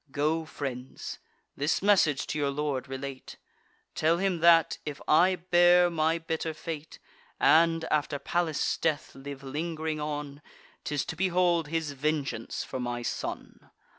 Go, friends, this message to your lord relate: Tell him, that, if I bear my bitter fate, And, after Pallas' death, live ling'ring on, 'Tis to behold his vengeance for my son.